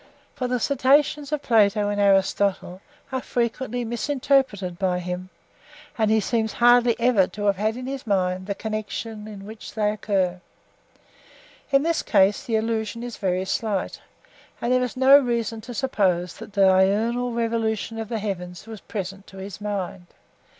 For the citations of Plato in Aristotle are frequently misinterpreted by him; and he seems hardly ever to have had in his mind the connection in which they occur. In this instance the allusion is very slight, and there is no reason to suppose that the diurnal revolution of the heavens was present to his mind.